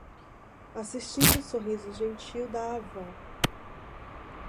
Assistindo o sorriso gentil da avó